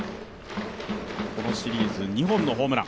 このシリーズ、２本のホームラン。